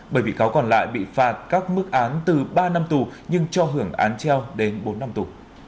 bảy bị cáo còn lại bị phạt các mức án từ ba năm tù nhưng cho hưởng án treo đến bốn năm tù